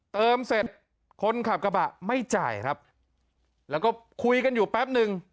เติมเสร็จคนขับกระบะไม่จ่ายครับแล้วก็คุยกันอยู่แป๊บนึง